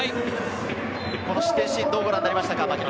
失点シーン、どうご覧になりましたか？